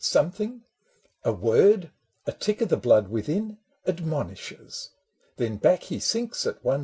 Something, a word, a tick o' the blood within Admonishes : then back he sinks at once iv.